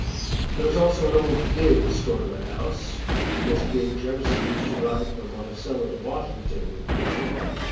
There is also an old gig stored in the house. In this gig Jefferson used to ride from Monticello to Washington in a day.